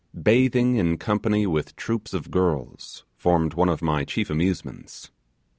Bathing in company with troops of girls formed one of my chief amusements.